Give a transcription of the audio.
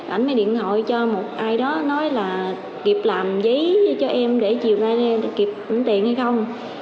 ảnh mới điện gọi cho một ai đó nói là kịp làm giấy cho em để chịu ra đây kịp mượn tiền hay không